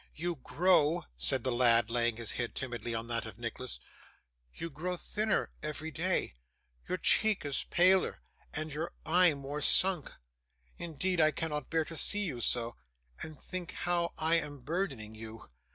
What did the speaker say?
You grow,' said the lad, laying his hand timidly on that of Nicholas, 'you grow thinner every day; your cheek is paler, and your eye more sunk. Indeed I cannot bear to see you so, and think how I am burdening you.